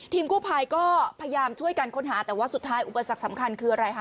กู้ภัยก็พยายามช่วยกันค้นหาแต่ว่าสุดท้ายอุปสรรคสำคัญคืออะไรคะ